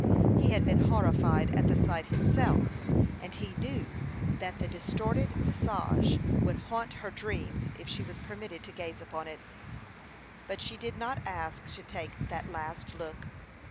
He had been horrified at the sight himself, and he knew that the distorted visage would haunt her dreams if she was permitted to gaze upon it; but she did not ask to take that last look.